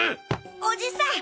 おじさん